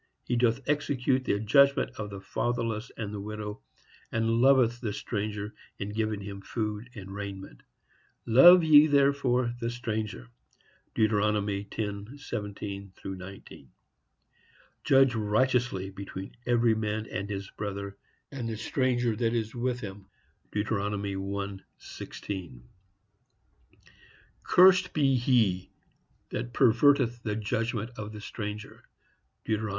He doth execute the judgment of the fatherless and the widow, and loveth the stranger in giving him food and raiment; love ye therefore the stranger.—Deut. 10:17–19. Judge righteously between every man and his brother, and the stranger that is with him.—Deut. 1:16. Cursed be he that perverteth the judgment of the stranger.—Deut.